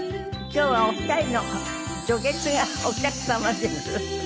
今日はお二人の女傑がお客様です。